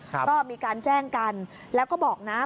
ก็มีการแจ้งกันแล้วก็บอกนะ